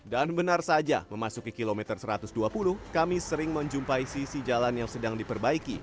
dan benar saja memasuki kilometer satu ratus dua puluh kami sering menjumpai sisi jalan yang sedang diperbaiki